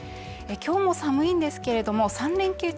今日も寒いんですけれども３連休中